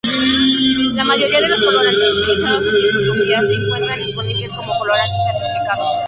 La mayoría de los colorantes utilizados en microscopía se encuentran disponibles como colorantes certificados.